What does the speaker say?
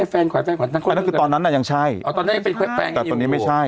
แฟนขนาดดั้งก่อนคือตอนนั้นน่ะยังใช้ว่าตอนนี้ไม่ใช่